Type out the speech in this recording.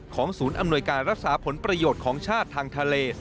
ศูนย์อำนวยการรักษาผลประโยชน์ของชาติทางทะเล